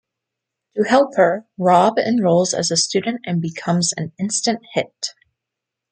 To help her, Rob enrolls as a student and becomes an instant hit.